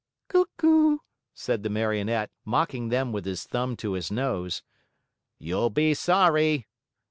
"Cuck oo!" said the Marionette, mocking them with his thumb to his nose. "You'll be sorry!"